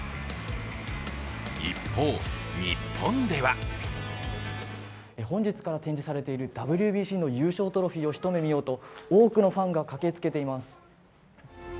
一方、日本では本日から展示されているＷＢＣの優勝トロフィーをひと目見ようと多くのファンが駆けつけています。